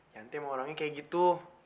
yanti sama orangnya kayak gitu